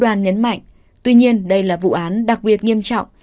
iran nhấn mạnh tuy nhiên đây là vụ án đặc biệt nghiêm trọng